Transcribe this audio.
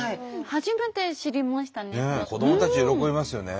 初めて知りましたね。